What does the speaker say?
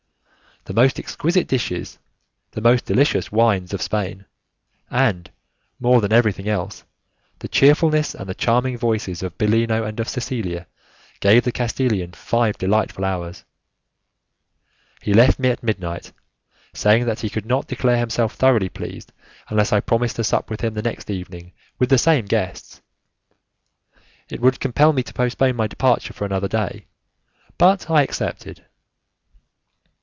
The most exquisite dishes, the most delicious wines of Spain, and, more than everything else, the cheerfulness and the charming voices of Bellino and of Cecilia, gave the Castilian five delightful hours. He left me at midnight, saying that he could not declare himself thoroughly pleased unless I promised to sup with him the next evening with the same guests. It would compel me to postpone my departure for another day, but I accepted.